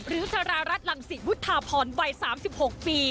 หรือชรารัสลังศิพุทธพรวัย๓๖ปี